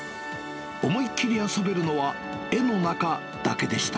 思い切り遊べるのは、絵の中だけでした。